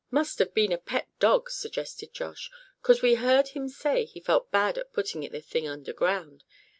"Must have been a pet dog," suggested Josh, "'cause we heard him say he felt bad at putting the thing underground.